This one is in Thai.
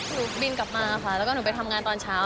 บินกลับมาค่ะแล้วก็หนูไปทำงานตอนเช้า